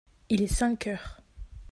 il est cinq heures.